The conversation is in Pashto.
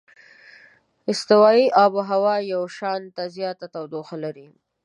استوایي آب هوا یو شانته زیاته تودوخه لري.